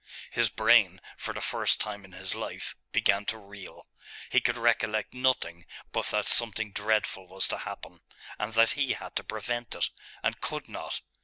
His brain, for the first time in his life, began to reel. He could recollect nothing but that something dreadful was to happen and that he had to prevent it, and could not....